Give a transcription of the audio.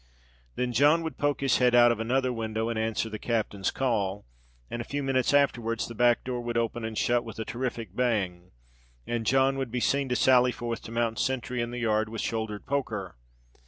Then John would poke his head out of another window, and answer the captain's call; and a few minutes afterwards the back door would open and shut with a terrific bang, and John would be seen to sally forth to mount sentry in the yard, with shouldered poker.